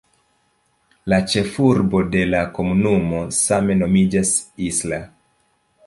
La ĉefurbo de la komunumo same nomiĝas "Isla".